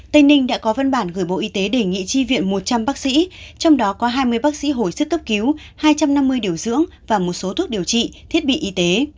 tây ninh đã có văn bản gửi bộ y tế đề nghị tri viện một trăm linh bác sĩ trong đó có hai mươi bác sĩ hồi sức cấp cứu hai trăm năm mươi điều dưỡng và một số thuốc điều trị thiết bị y tế